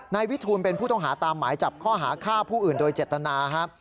นายวิทูลเป็นผู้ต้องหาตามหมายจับข้อหาฆ่าผู้อื่นโดยเจตนาครับ